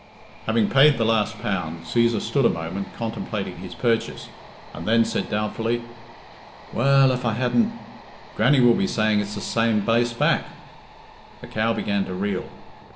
Having paid the last pound, Cæsar stood a moment contemplating his purchase, and then said doubtfully, "Well, if I hadn't... Grannie will be saying it's the same base back " (the cow began to reel).